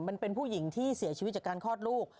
มันเป็นผู้หญิงที่เสียชีวิตจากการคลอดลูก